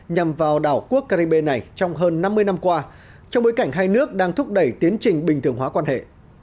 nhằm vào đảo quốc caribe này trong hơn năm mươi năm qua trong bối cảnh hai nước đang thúc đẩy tiến trình bình thường hóa quan hệ